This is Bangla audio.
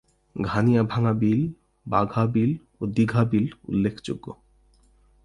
ঘানিয়াভাঙ্গা বিল, বাঘা বিল ও দীঘা বিল উল্লেখযোগ্য।